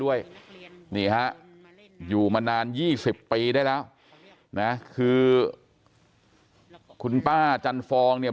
ด้วยนี่ฮะอยู่มานาน๒๐ปีได้แล้วนะคือคุณป้าจันฟองเนี่ย